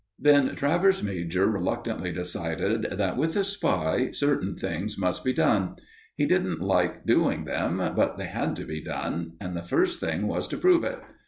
Then Travers major reluctantly decided that, with a spy, certain things must be done. He didn't like doing them, but they had to be done. And the first thing was to prove it.